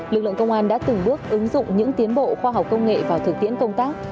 lực lượng công an đã từng bước ứng dụng những tiến bộ khoa học công nghệ vào thực tiễn công tác